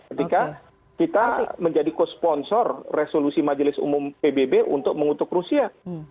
ketika kita menjadi co sponsor resolusi majelis umum pbb untuk mengutuk rusia